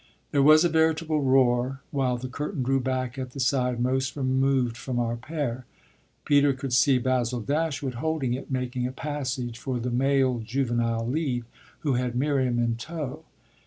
There was a veritable roar while the curtain drew back at the side most removed from our pair. Peter could see Basil Dashwood holding it, making a passage for the male "juvenile lead," who had Miriam in tow.